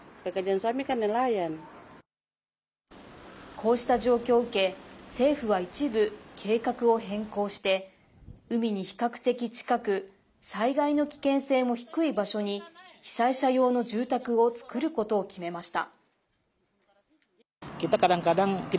こうした状況を受け政府は一部計画を変更して海に比較的近く災害の危険性も低い場所に被災者用の住宅を作ることを決めました。